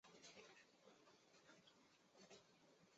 后又任耶鲁大学驻校作曲家。